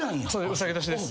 うさぎ年です。